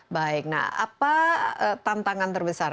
baik nah apa tantangan terbesar